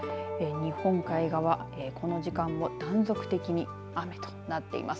日本海側、この時間も断続的に雨となっています。